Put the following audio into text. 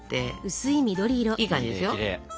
いい感じですよ。